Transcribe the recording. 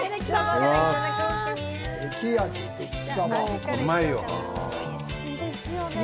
おいしいですよね。